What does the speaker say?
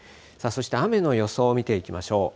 そして雨の予想を見ていきましょう。